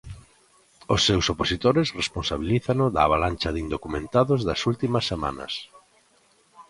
Os seus opositores responsabilízano da avalancha de indocumentados das últimas semanas.